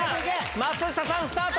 松下さん、スタート。